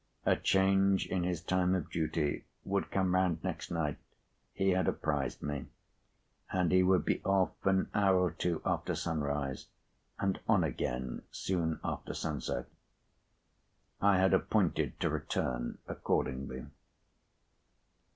A change in his time of duty would come round next night, he had apprised me, and he would be off an hour or two after sunrise, and on again soon after sunset. I had appointed to return accordingly.